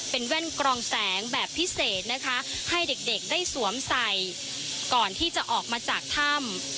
เป็นแว่นกรองแสงแบบพิเศษนะคะให้เด็กได้สวมใส่ก่อนที่จะออกมาจากถ้ำ